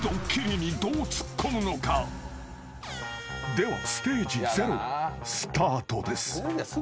［ではステージ０スタートです］